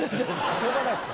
しょうがないです。